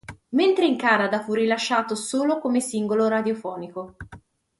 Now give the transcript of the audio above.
Mentre in Canada fu rilasciato solo come singolo radiofonico.